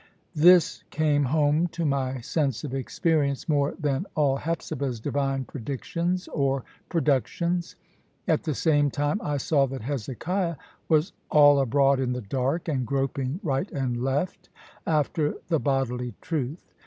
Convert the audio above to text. This came home to my sense of experience more than all Hepzibah's divine predictions or productions. At the same time I saw that Hezekiah was all abroad in the dark, and groping right and left after the bodily truth.